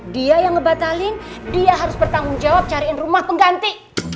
dia yang ngebatalin dia harus bertanggung jawab cariin rumah pengganti